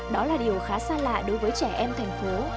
đó là điều khá xa lạ đối với trẻ em thành phố